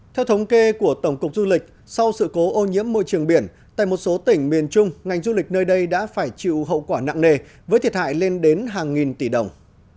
theo thống kê của tổng cục du lịch sau sự cố ô nhiễm môi trường biển tại một số tỉnh miền trung ngành du lịch nơi đây đã phải chịu hậu quả nặng nề với thiệt hại lên đến hàng nghìn tỷ đồng